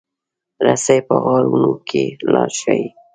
رسۍ په غارونو کې لار ښيي.